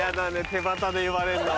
手旗で言われるの。